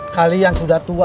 kalian sudah tua